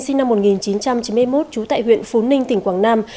sinh năm một nghìn chín trăm chín mươi một trú tại huyện phú ninh tỉnh quảng nam